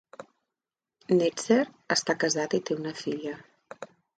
Netzer està casat i té una filla.